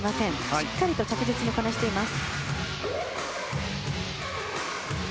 しっかりと着実にこなしています。